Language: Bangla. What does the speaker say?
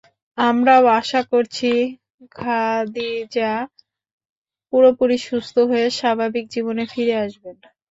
আমরাও আশা করছি, খাজিদা পুরোপুরি সুস্থ হয়ে স্বাভাবিক জীবনে ফিরে আসবেন।